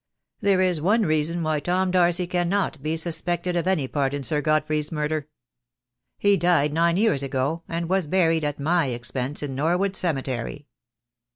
There is one reason why Tom Darcy cannot be suspected of any part in Sir Godfrey's murder. He died nine years ago, and was buried at my expense in Norwood Cemetery."